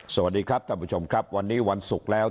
สวัสดีครับท่านผู้ชมครับวันนี้วันศุกร์แล้ว